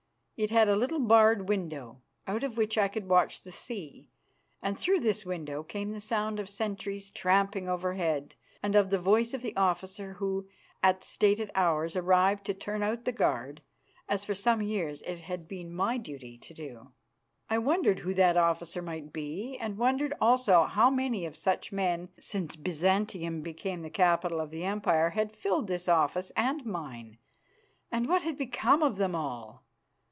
It had a little barred window, out of which I could watch the sea, and through this window came the sound of sentries tramping overhead and of the voice of the officer who, at stated hours, arrived to turn out the guard, as for some years it had been my duty to do. I wondered who that officer might be, and wondered also how many of such men since Byzantium became the capital of the Empire had filled his office and mine, and what had become of them all.